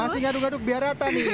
masih ngaduk ngaduk biar rata nih